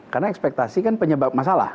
karena ekspektasi kan penyebab masalah